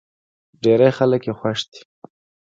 ډېری خلک يې خوښ دی.